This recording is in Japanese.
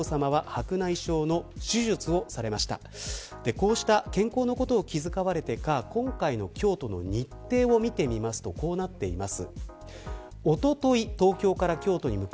こうした健康のことを気づかわれてか今回の京都の日程を見てみるとこうなっています。